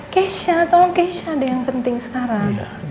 keisha tolong keisha deh yang penting sekarang